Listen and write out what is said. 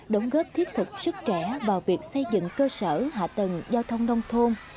đóng góp thiết thực sức trẻ vào việc xây dựng cơ sở hạ tầng giao thông nông thôn